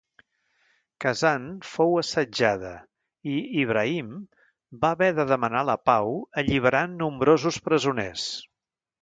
Kazan fou assetjada i Ibrahim va haver de demanar la pau alliberant nombrosos presoners.